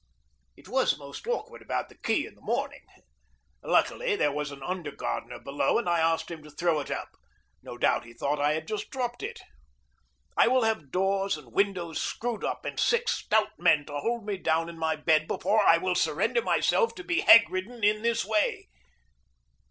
It was most awkward about the key in the morning. Luckily, there was an under gardener below, and I asked him to throw it up. No doubt he thought I had just dropped it. I will have doors and windows screwed up and six stout men to hold me down in my bed before I will surrender myself to be hag ridden in this way.